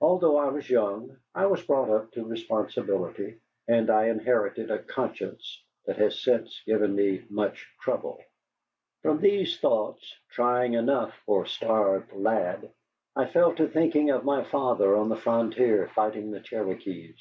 Although I was young, I was brought up to responsibility. And I inherited a conscience that has since given me much trouble. From these thoughts, trying enough for a starved lad, I fell to thinking of my father on the frontier fighting the Cherokees.